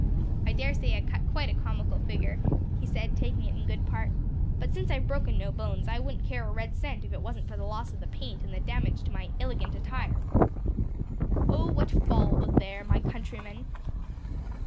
"I dare say I cut quite a comical figure," he said, taking it in good part, "but since I've broken no bones, I wouldn't care a red cent, if it wasn't for the loss of the paint and the damage to my illegant attire. "'O what a fall was there, my countrymen.'"